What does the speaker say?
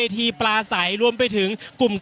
อย่างที่บอกไปว่าเรายังยึดในเรื่องของข้อ